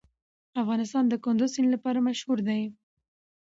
افغانستان د کندز سیند لپاره مشهور دی.